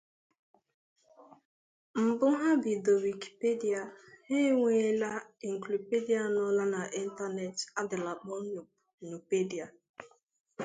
Mbu ha bido Wikipedia, ha nwela encyclopedia nola na Internet, adila kpo Nupedia.